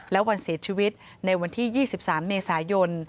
และวันเสียชีวิตในวันที่๒๓เมษายน